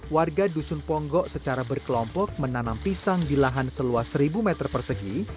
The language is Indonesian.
warga dusun ponggok secara berkelompok menanam pisang di lahan seluas seribu meter persegi